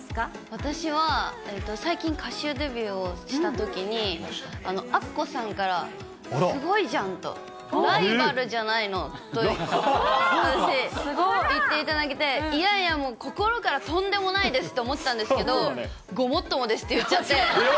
私は最近、歌手デビューをしたときに、アッコさんからすごいじゃん！と、ライバルじゃないのと言っていただけて、いやいや、もう心からとんでもないですと思ったんですけど、ごもっともですって言っちゃって。